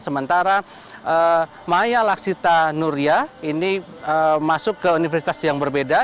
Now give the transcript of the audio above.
sementara maya laksita nuria ini masuk ke universitas yang berbeda